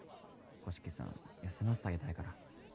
五色さん休ませてあげたいから。